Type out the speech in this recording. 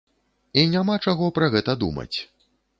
І няма чаго пра гэта думаць.